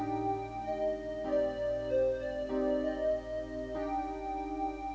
iri saya tentang kenyataan